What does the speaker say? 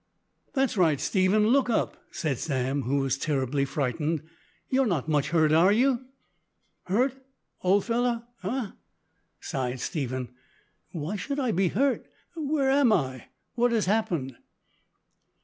"That's right, Stephen, look up," said Sam, who was terribly frightened, "you're not much hurt, are you?" "Hurt, old fellow, eh?" sighed Stephen, "why should I be hurt? Where am I? What has happened?"